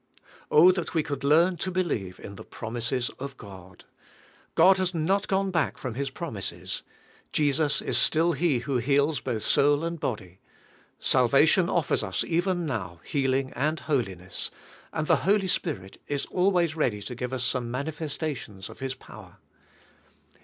Oh., that we could learn to believe in the promises of God! God has not gone back from His promises ; Jesus, is still He who heals both soul and body; salvation offers as even now healing and holiness, and the Holy Spirit is always ready to give ns some manifestations of Hi« pow DrVINE HEAT TWO. 19 er.